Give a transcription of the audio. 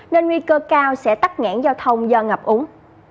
nên nguy cơ cao sẽ tắt ngãn giao thông do ngập úng